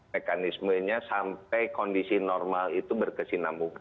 mekanismenya sampai kondisi normal itu berkesinambungan